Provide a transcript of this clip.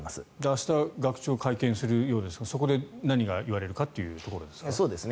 明日学長、会見するようですがそこで何が言われるかというところですか。